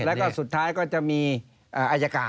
แล้วก็สุดท้ายก็จะมีอายการ